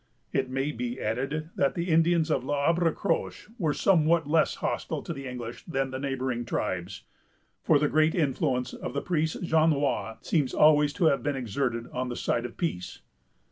It may be added, that the Indians of L'Arbre Croche were somewhat less hostile to the English than the neighboring tribes; for the great influence of the priest Jonois seems always to have been exerted on the side of peace.